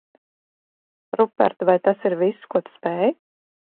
Rupert, vai tas ir viss, ko tu spēj?